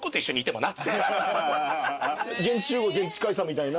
現地集合現地解散みたいな。